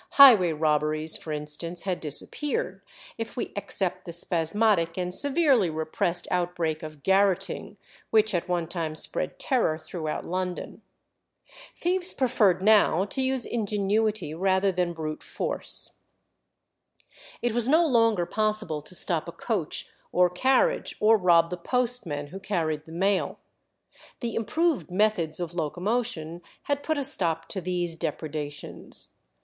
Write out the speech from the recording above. Highway robberies, for instance, had disappeared, if we except the spasmodic and severely repressed outbreak of "garotting," which at one time spread terror throughout London. Thieves preferred now to use ingenuity rather than brute force. It was no longer possible to stop a coach or carriage, or rob the postman who carried the mail. The improved methods of locomotion had put a stop to these depredations.